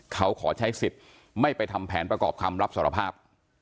เขาขอใช้สิทธิ์ไม่ไปทำแผนประกอบคำรับสารภาพ